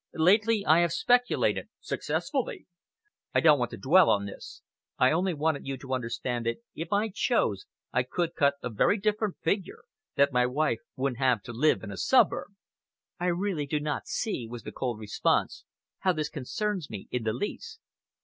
Lately I have speculated successfully. I don't want to dwell on this. I only wanted you to understand that if I chose I could cut a very different figure that my wife wouldn't have to live in a suburb." "I really do not see," was the cold response, "how this concerns me in the least."